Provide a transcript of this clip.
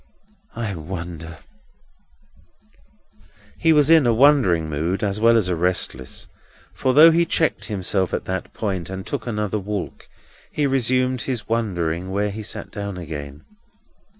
I wonder—" He was in a wondering mood as well as a restless; for, though he checked himself at that point, and took another walk, he resumed his wondering when he sat down again.